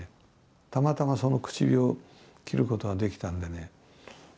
たまたまその口火を切る事ができたのでね